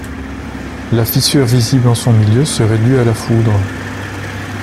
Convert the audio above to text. La fissure visible en son milieu serait due à la foudre.